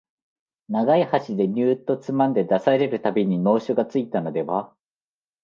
長い箸でニューッとつまんで出される度に能書がついたのでは、